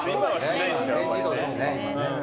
全自動ですね。